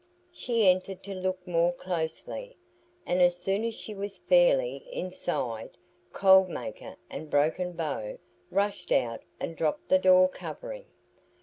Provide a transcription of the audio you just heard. She entered to look more closely, and as soon as she was fairly inside Cold Maker and Broken Bow rushed out and dropped the door covering.